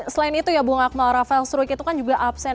selain itu ya bu ngakbal rafael struik itu kan juga absen